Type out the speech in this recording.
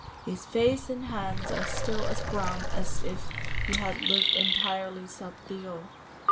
His face and hands are still as brown as if he had lived entirely sub dio.